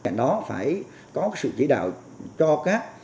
nó phải có sự chỉ đạo cho các